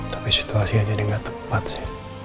tapi situasinya jadi nggak tepat sih